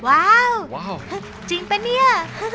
ว้าวจริงปะเนี่ย